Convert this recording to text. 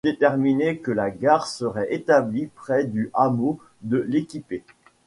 Il fut déterminé que la gare serait établie près du hameau de l'Équipée.